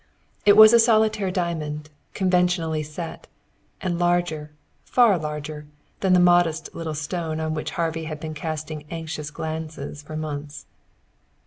It was a solitaire diamond, conventionally set, and larger, far larger, than the modest little stone on which Harvey had been casting anxious glances for months.